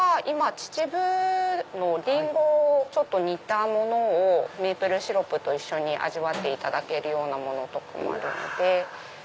秩父のリンゴを煮たものをメープルシロップと一緒に味わっていただけるものとかもあるので。